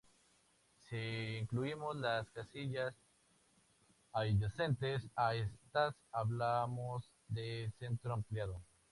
Si incluimos las casillas adyacentes a estas hablamos de centro ampliado.